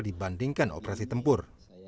dibandingkan operasi tempur